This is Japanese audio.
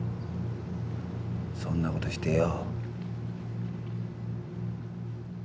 そんなことしてよ。